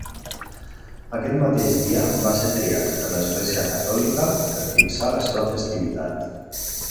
Aquest mateix dia va ser triat per l'Església Catòlica per fixar la seva festivitat.